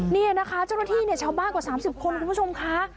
นี่นะคะเจ้าหน้าที่เนี่ยชาวบ้านกว่า๓๐คนคุณผู้ชมค่ะ